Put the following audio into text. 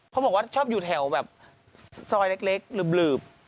เขาบอกว่าชอบอยู่แถวแบบซอยเล็กหลืบ